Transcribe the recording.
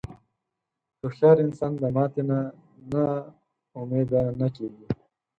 هوښیار انسان د ماتې نه نا امیده نه کېږي.